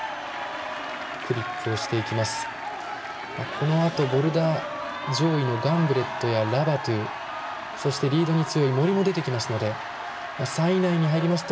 このあとボルダー上位のガンブレットやラバトゥ、そしてリードに強い森も出てきますので３位以内に入りますと。